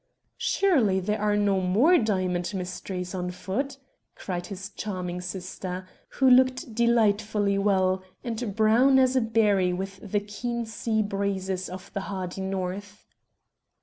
"Surely there are no more diamond mysteries on foot!" cried his charming sister, who looked delightfully well, and brown as a berry with the keen sea breezes of the hardy North.